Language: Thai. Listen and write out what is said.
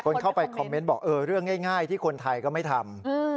คนเข้าไปคอมเมนต์บอกเรื่องง่ายที่คนไทยก็ไม่ทำ